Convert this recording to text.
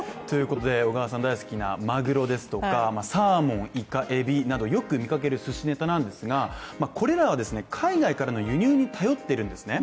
鮪好きですね、小川さん大好き鮪ですとかサーモン、イカ、エビなどよく見かけるすしネタなんですがこれらは海外からの輸入に頼っているんですね。